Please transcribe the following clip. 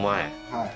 はい。